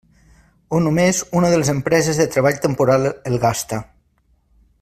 O només una de les empreses de treball temporal el gasta.